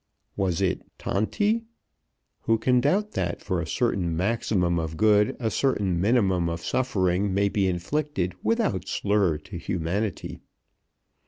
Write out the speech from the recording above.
Was it "tanti?" Who can doubt that for a certain maximum of good a certain minimum of suffering may be inflicted without slur to humanity?